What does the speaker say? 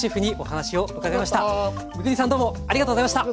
三國さんどうもありがとうございました。